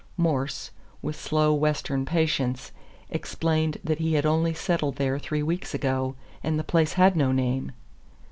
Morse, with slow Western patience, explained that he had only settled there three weeks ago, and the place had no name.